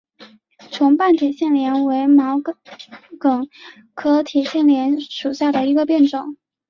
重瓣铁线莲为毛茛科铁线莲属下的一个变种。